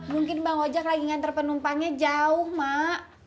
mungkin bang ojek lagi ngantar penumpangnya jauh mak